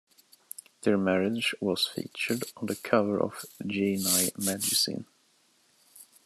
Their marriage was featured on the cover of Geni Magazine.